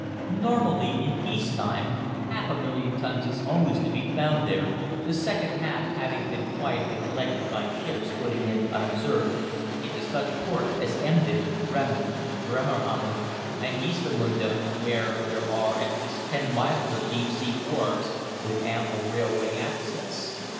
Normally, in peace time, half a million tons is always to be found there, the second half having been quietly collected by ships putting in unobserved into such ports as Emden, Bremen, Bremerhaven, and Geestemunde, where there are at least ten miles of deep sea wharves, with ample railway access.